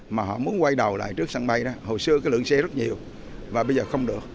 mà họ muốn quay đầu lại trước sân bay đó hồi xưa cái lượng xe rất nhiều và bây giờ không được